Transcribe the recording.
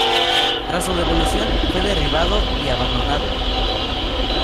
Tras su devolución, fue derribado y abandonado.